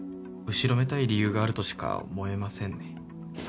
後ろめたい理由があるとしか思えませんね。